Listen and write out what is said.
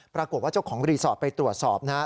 ปรากฏว่าเจ้าของรีสอร์ทไปตรวจสอบนะครับ